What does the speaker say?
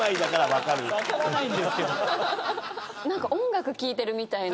何か音楽聴いてるみたいな。